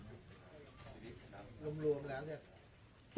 รวมแล้วเนี่ย